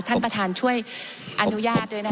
ท่านประธานช่วยอนุญาตด้วยนะคะ